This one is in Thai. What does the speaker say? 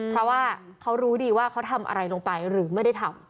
เพราะว่าเขารู้ดีว่าเขาทำอะไรลงไปหรือไม่ได้ทำ